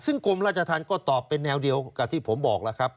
ซึ่งกรมราชธรรมก็ตอบเป็นแนวเดียวกับที่ผมบอกแล้วครับ